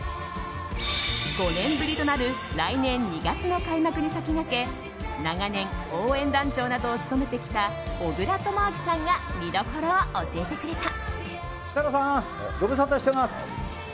５年ぶりとなる来年２月の開幕に先駆け長年、応援団長などを務めてきた小倉智昭さんが見どころを教えてくれた。